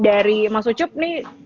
dari mas ucup nih